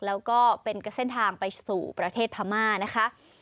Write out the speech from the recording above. แล้วก็เป็นเส้นทางไปสู่ประเทศพม่านะคะ